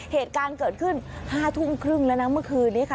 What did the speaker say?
เหตุการณ์เกิดขึ้น๕ทุ่มครึ่งแล้วนะเมื่อคืนนี้ค่ะ